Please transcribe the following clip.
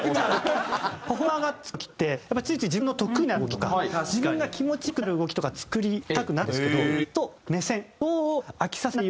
パフォーマーが作る時ってやっぱついつい自分の得意な動きとか自分が気持ち良くなる動きとか作りたくなるんですけどちゃんと目線。